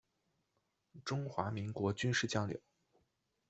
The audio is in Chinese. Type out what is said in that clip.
中华民国军事将领。